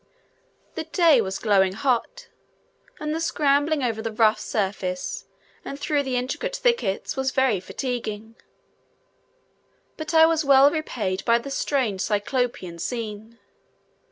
The day was glowing hot, and the scrambling over the rough surface and through the intricate thickets, was very fatiguing; but I was well repaid by the strange Cyclopean scene.